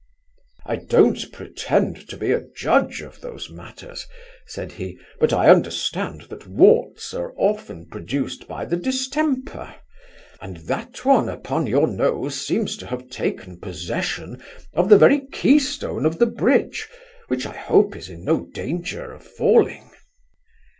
'I don't pretend to be a judge of those matters (said he) but I understand that warts are often produced by the distemper; and that one upon your nose seems to have taken possession of the very keystone of the bridge, which I hope is in no danger of falling.